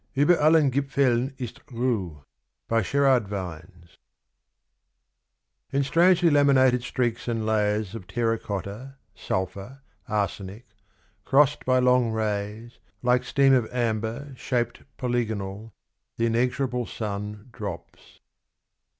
UBER ALLEN GIPFELN 1ST RUH IN strangely laminated streaks and layers Of terra cotta, sulphur, arsenic, Crossed by long rays, like steam of amber shaped Polygonal, the inexorable sun Drops.